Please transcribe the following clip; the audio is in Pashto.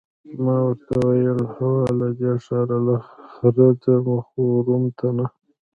ما ورته وویل: هو، له دې ښاره له خیره ځم، خو روم ته نه.